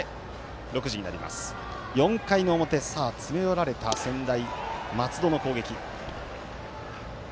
４回表、詰め寄られた専大松戸の攻撃。